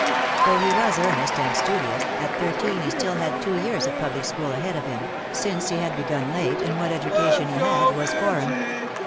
Though he was earnest and studious, at thirteen he still had two years of public school ahead of him, since he had begun late and what education he had was foreign.